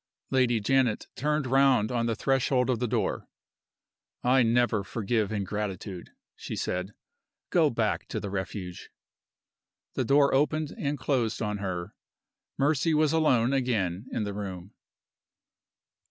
Lady Janet turned round on the threshold of the door. "I never forgive ingratitude," she said. "Go back to the Refuge." The door opened and closed on her. Mercy was alone again in the room.